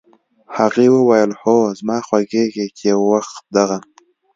هغې وویل: "هو، زما خوښېږي چې یو وخت دغه